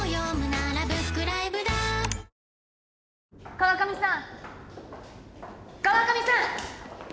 川上さん川上さん！